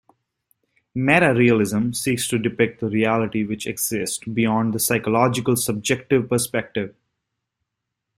Metarealism seeks to depict the reality which exists beyond that psychological subjective perspective.